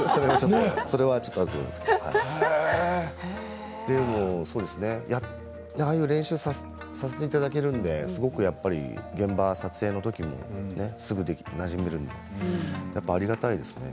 それはちょっとでもそうですねああいう練習をさせていただけるので、すごくやっぱり現場、撮影のときもすぐなじめるのでありがたいですね。